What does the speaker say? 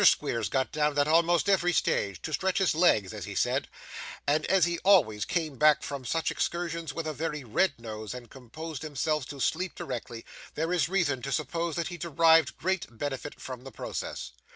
Squeers got down at almost every stage to stretch his legs as he said and as he always came back from such excursions with a very red nose, and composed himself to sleep directly, there is reason to suppose that he derived great benefit from the process.